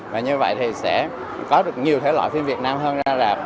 và như vậy thì sẽ có được nhiều thể loại phim việt nam hơn ra rạp